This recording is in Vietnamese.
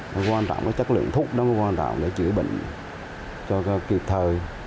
đóng quan trọng là chất lượng thuốc đóng quan trọng là chữa bệnh cho kịp thời